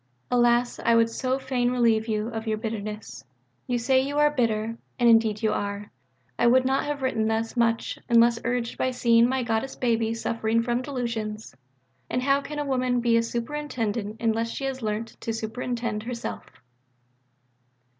Alas, I would so fain relieve you of your "bitterness." You say you are "bitter"; and indeed you are.... I would not have written thus much, unless urged by seeing my Goddess baby suffering from delusions. And how can a woman be a Superintendent unless she has learnt to superintend herself?